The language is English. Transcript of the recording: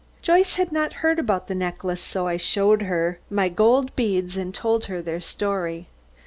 Joyce had not heard about the necklace, so I showed her my gold beads and told her their story.